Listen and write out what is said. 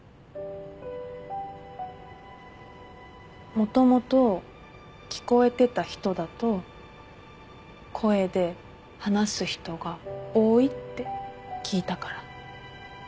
もともと聞こえてた人だと声で話す人が多いって聞いたから。